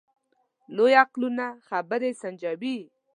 لوی عقلونه خبرې سنجوي.